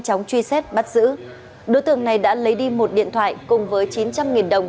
truy xét bắt giữ đối tượng này đã lấy đi một điện thoại cùng với chín trăm linh đồng